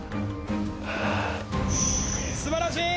素晴らしい！